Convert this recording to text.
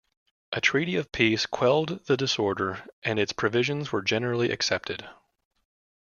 A treaty of peace quelled the disorder, and its provisions were generally accepted.